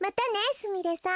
すみれさん。